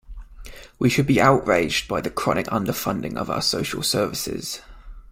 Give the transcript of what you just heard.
We should be outraged by the chronic underfunding of our social services.